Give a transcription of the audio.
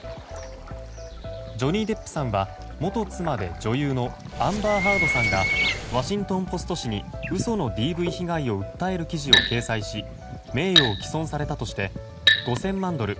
ジョニー・デップさんは元妻で女優のアンバー・ハードさんがワシントン・ポスト紙に嘘のＤＶ被害を訴える記事を掲載し名誉を棄損されたとして５０００万ドル